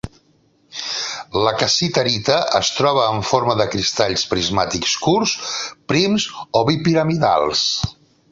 La cassiterita es troba en forma de cristalls prismàtics curts, prims o bipiramidals.